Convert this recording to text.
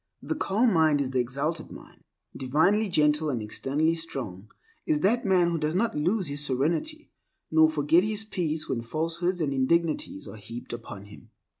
The calm mind is the exalted mind. Divinely gentle and externally strong is that man who does not lose his serenity, nor forget his peace when falsehoods and indignities are heaped upon him.